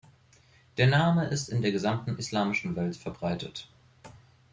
Der Name ist in der gesamten islamischen Welt verbreitet.